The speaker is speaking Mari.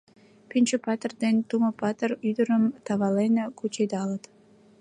Пӱнчӧ-патыр ден Тумо-патыр ӱдырым тавален кучедалыт.